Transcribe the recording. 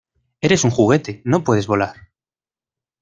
¡ Eres un juguete! ¡ no puedes volar!